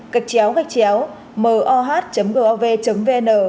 gạch chéo gạch chéo moh gov vn